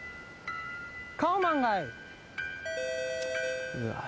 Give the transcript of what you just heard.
カオマンガイ。